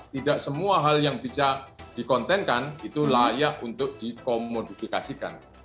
tidak semua hal yang bisa dikontenkan itu layak untuk dikomodifikasikan